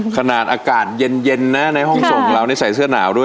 ขนาดอากาศเย็นนะในห้องโสงเราใส่เสื้อหนาวด้วย